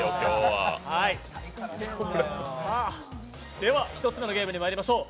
では１つ目のゲームにまいりましょう。